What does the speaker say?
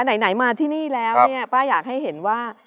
ไหนมาที่นี่แล้วเนี่ยป้าอยากให้เห็นว่า